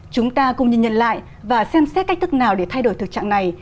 chúng ta cùng nhìn nhận lại và xem xét cách thức nào để thay đổi thực trạng này